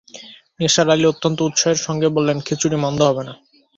নিসার আলি অত্যন্ত উৎসাহের সঙ্গে বললেন, খিচুড়ি মন্দ হবে না।